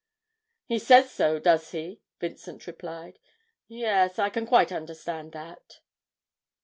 'He says so, does he?' Vincent replied. 'Yes, I can quite understand that.'